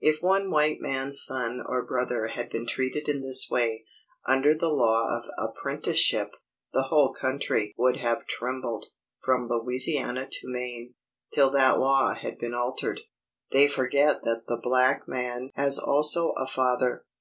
If one white man's son or brother had been treated in this way, under the law of apprenticeship, the whole country would have trembled, from Louisiana to Maine, till that law had been altered. They forget that the black man has also a father.